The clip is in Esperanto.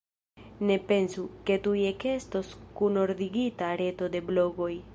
Ne pensu, ke tuj ekestos kunordigita reto de blogoj.